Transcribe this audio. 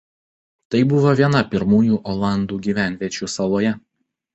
Tai buvo viena pirmųjų olandų gyvenviečių saloje.